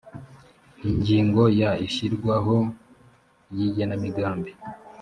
ingingo ya ishyirwaho ry igenamigambi